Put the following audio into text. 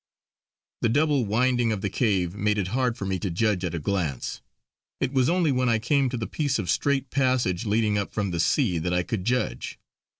The double winding of the cave made it hard for me to judge at a glance; it was only when I came to the piece of straight passage leading up from the sea that I could judge.